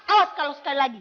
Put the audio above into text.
awas kalau sekali lagi